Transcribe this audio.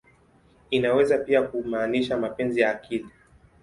Inaweza pia kumaanisha "mapenzi ya akili.